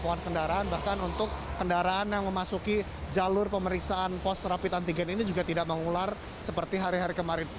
kendaraan bahkan untuk kendaraan yang memasuki jalur pemeriksaan pos rapid antigen ini juga tidak mengular seperti hari hari kemarin